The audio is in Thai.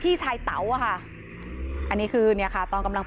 มีชายแปลกหน้า๓คนผ่านมาทำทีเป็นช่วยค่างทาง